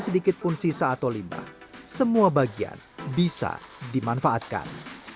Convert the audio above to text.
sedikit pun sisa atau limbah semua bagian bisa dimanfaatkan